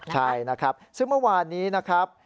ใช่นะครับซึ่งเมื่อวานนี้นะครับ